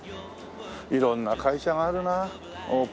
色んな会社があるな。